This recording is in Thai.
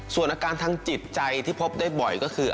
ส่วนอาการทางจิตใจที่พบได้บ่อยก็คือ